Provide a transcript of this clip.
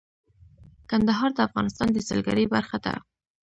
کندهار د افغانستان د سیلګرۍ برخه ده.